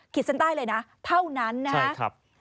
คิดสันใต้เลยนะเท่านั้นนะครับใช่ครับ